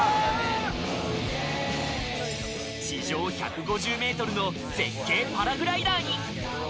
地上１５０メートルの絶景パラグライダーに。